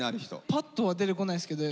パッとは出てこないですけど。